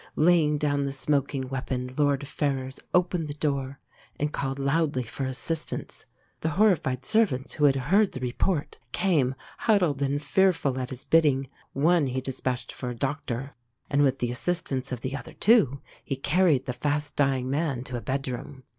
Laying down the smoking weapon, Lord Ferrers opened the door and called loudly for assistance. The horrified servants, who had heard the report, came, huddled and fearful, at his bidding. One he despatched for a doctor, and, with the assistance of the other two, he carried the fast dying man to a bedroom.